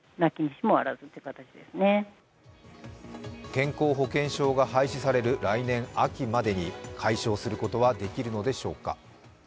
健康保険証が廃止される来年秋までに解消することはできるのでしょうか。